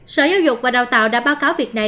sở giáo dục và đào tạo đã báo cáo việc này